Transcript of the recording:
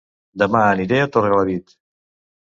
Dema aniré a Torrelavit